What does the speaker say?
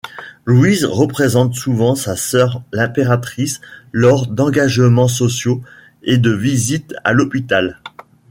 Louise représente souvent sa sœur l'Impératrice lors d'engagements sociaux et de visites à l'hôpital.